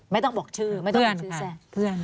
ไม่ต้องบอกชื่อ